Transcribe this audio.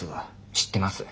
知ってます。